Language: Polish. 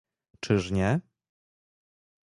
Czyż nie?